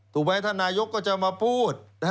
ถูกไหมท่านนายกก็จะมาพูด